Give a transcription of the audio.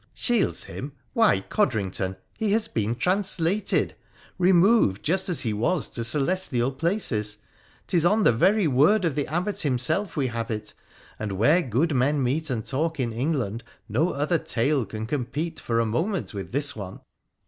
' Shields him ! Why, Codrington, he has been translated ; removed just as he was to celestial places ; 'tis on the very word of the Abbot himself we have it, and, where good men meet and talk in England, no other tale can compete for a moment with this one.'